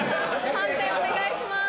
判定お願いします。